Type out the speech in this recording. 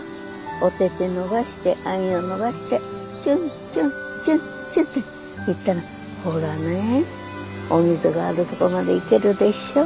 おてて伸ばしてあんよ伸ばしてちゅんちゅんちゅんちゅんって行ったらほらねお水があるとこまで行けるでしょ。